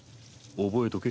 覚えとけ。